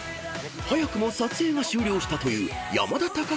［早くも撮影が終了したという山田・木ペア］